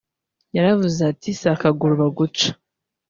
yaravuze iti si akaguru baguca